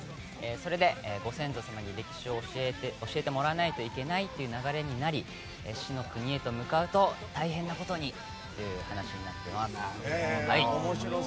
それで、ご先祖様に歴史を教えてもらわないといけないという流れになり死の国へと向かうと大変なことにという内容になっています。